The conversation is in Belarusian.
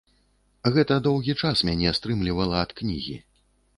Гэта доўгі час мяне стрымлівала ад кнігі.